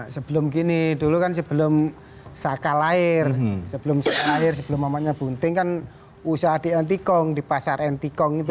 sebelum gini dulu kan sebelum saka lahir sebelum akhirnya buntingan usaha di antikong di pasar ntk